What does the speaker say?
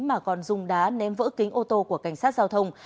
mà còn dùng đá ném vỡ kính ô tô của cảnh sát giao thông